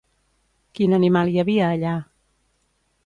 Quin animal hi havia allà?